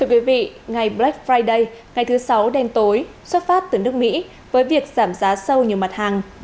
vì vậy ngày black friday ngày thứ sáu đen tối xuất phát từ nước mỹ với việc giảm giá sâu nhiều mặt hàng